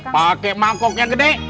pakai mangkok yang gede